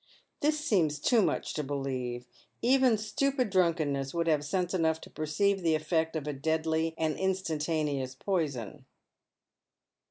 This seems too much to believe. Even stupid drunkenness would have sense enough to perceive the effect of a deadly and instantaneous poison.